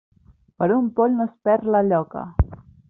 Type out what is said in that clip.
Per un poll no es perd la lloca.